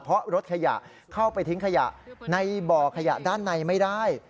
เพราะรถขยะเข้าไปทิ้งขยะในบ่อขยะด้านในไม่ได้